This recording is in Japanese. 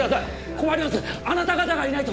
困りますあなた方がいないと！